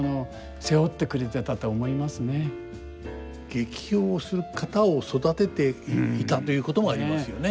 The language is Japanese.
劇評をする方を育てていたということもありますよね。